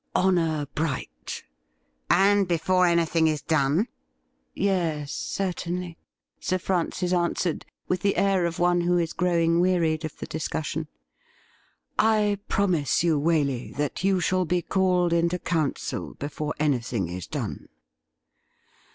' Honour bright !'' And before anything is done ? 'Yes, certainly,' Sir Francis answered, with the air of one who is growing wearied of the discussion. ' I promise you, Waley, that you shall be called into council before anything is done.'